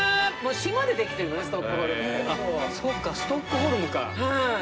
修Δストックホルムか。